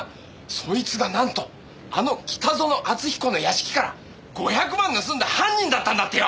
そいつがなんとあの北薗篤彦の屋敷から５００万盗んだ犯人だったんだってよ！